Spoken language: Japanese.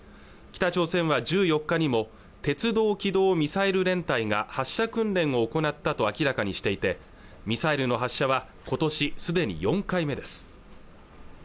北朝鮮は１４日にも鉄道機動ミサイル連隊が発射訓練を行ったと明らかにしていてミサイルの発射は今年すでに４回目です